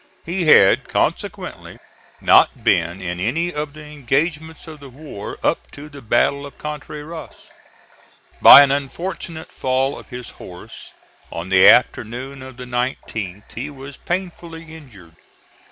He had consequently not been in any of the engagements of the war up to the battle of Contreras. By an unfortunate fall of his horse on the afternoon of the 19th he was painfully injured.